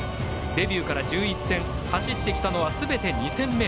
デビューから１１戦走ってきたのはすべて２０００ｍ。